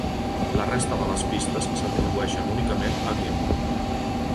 La resta de les pistes s'atribueixen únicament a Gilmour.